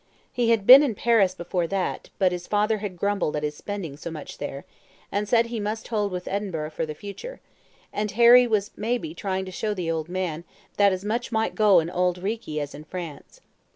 He had been in Paris before that, but his father had grumbled at his spending so much there, and said he must hold with Edinburgh for the future; and Harry was maybe trying to show the old man that as much might go in Auld Reekie as in France.